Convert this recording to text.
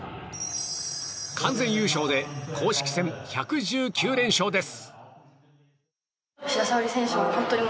完全優勝で公式戦１１９連勝です。